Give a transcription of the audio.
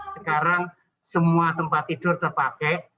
sekarang semua tempat tidur terpakai